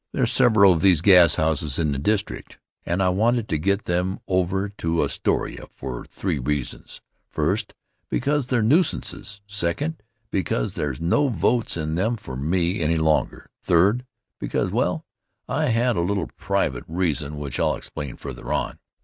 There's several of these gashouses in the district, and I wanted to get them over to Astoria for three reasons: first, because they're nuisances; second, because there's no votes in them for me any longer; third, because well, I had a little private reason which I'll explain further on.